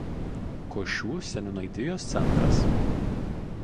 Košių seniūnaitijos centras.